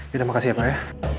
terima kasih ya pak ya